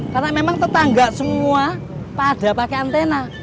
karena memang tetangga semua pada pakai antena